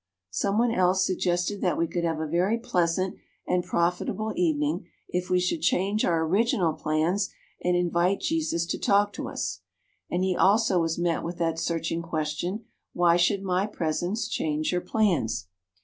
Some one else suggested that we could have a very pleasant and profitable evening if we should change our original plans, and invite Jesus to talk to us. And he also was met with that searching question, 'Why should my presence change your plans?'